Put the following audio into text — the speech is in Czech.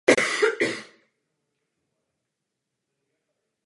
Východní a jižní stranu dvora obklopují přízemní hospodářská křídla.